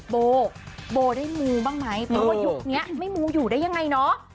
โบโบได้มูบ้างไหมเพราะว่ายุคนี้ไม่มูอยู่ได้ยังไงเนาะ